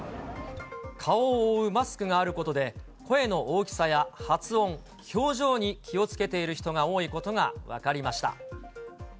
顔を覆うマスクがあることで、声の大きさや、発音、表情に気をつけている人が多いことが分かりました。